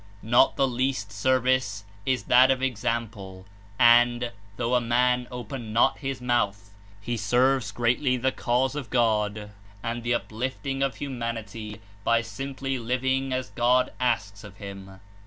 Not the least service is that of example, and, though a man open not his mouth, he serves greatly the Cause of God and the uplifting of humanity by simply living as God asks of him.